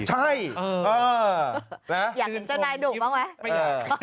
ใช่อ๋อและอยากกินเฉินใหม่ดูหรือเปล่าไงไม่อยากเออ